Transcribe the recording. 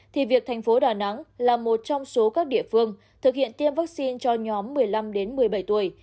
thì việc thành phố đà nẵng là một trong số các địa phương thực hiện tiêm vaccine cho nhóm một mươi năm một mươi bảy tuổi